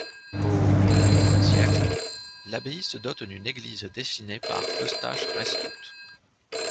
Au siècle, l’abbaye se dote d’une église dessinée par Eustache Restout.